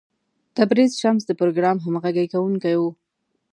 تبریز شمس د پروګرام همغږی کوونکی و.